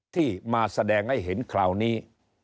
ที่มาแสดงให้เห็นคราวนี้